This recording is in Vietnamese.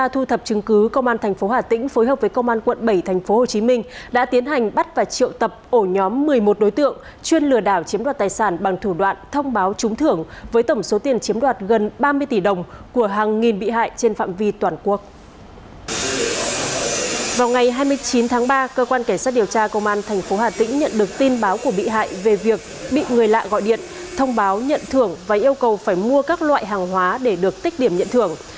chín tháng ba cơ quan cảnh sát điều tra công an tp hà tĩnh nhận được tin báo của bị hại về việc bị người lạ gọi điện thông báo nhận thưởng và yêu cầu phải mua các loại hàng hóa để được tích điểm nhận thưởng